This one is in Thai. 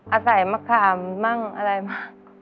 อาศัยมะขามบ้างอะไรบ้าง